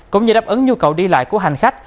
cũng như đáp ứng nhu cầu đi lại của hành khách